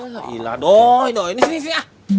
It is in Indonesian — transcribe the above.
alah ilah doi ini sini